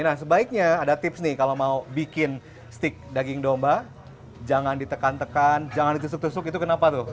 nah sebaiknya ada tips nih kalau mau bikin stik daging domba jangan ditekan tekan jangan ditusuk tusuk itu kenapa tuh